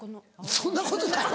そんなことないわ。